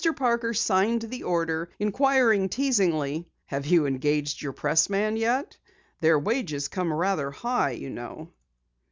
Parker signed the order, inquiring teasingly: "Have you engaged your pressman yet? Their wages come rather high you know."